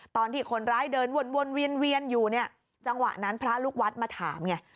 ตอนที่คนร้ายเดินวนเวียนอยู่เนี่ยจังหวะนั้นพระลูกวัดมาถามไง